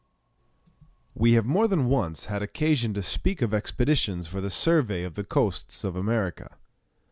We have more than once had occasion to speak of expeditions for the survey of the coasts of America.